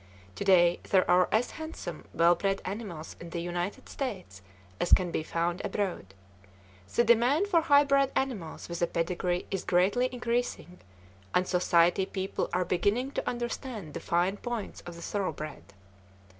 Today, there are as handsome, well bred animals in the United States as can be found abroad. The demand for high bred animals with a pedigree is greatly increasing, and society people are beginning to understand the fine points of the thoroughbred.